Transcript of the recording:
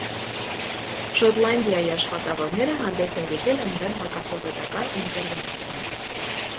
Շոտլանդիայի աշխատավորները հանդես են եկել ընդդեմ հակասովետական ինտերվենցիայի։